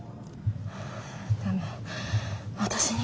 でも私には。